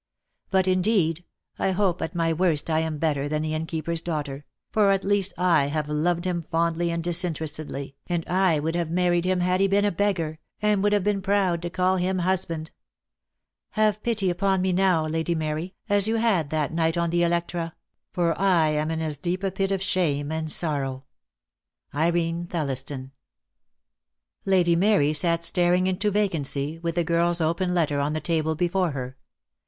But, indeed, I hope at my worst I am better than the Innkeeper's daughter, for, at least, I have loved him fondly and dis interestedly, and I would have married him had he been a beggar, and would have been proud to call him husband. "Have pity upon me now, Lady Mary, as you 272 DEAD LOVE HAS CHAINS. had that night on the Electra, for I am in as deep a pit of shame and sorrow. "Irene Thelliston." Lady Mary sat staring into vacancy, with the girl's open letter on the table before her.